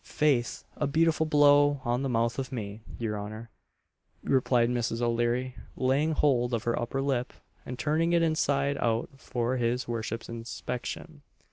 "Faith, a beautiful blow on the mouth of me!" your honour, replied Mrs. O'Leary laying hold of her upper lip, and turning it inside out for his worship's inspection.